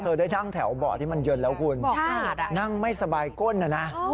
ได้นั่งแถวเบาะที่มันเย็นแล้วคุณนั่งไม่สบายก้นนะนะ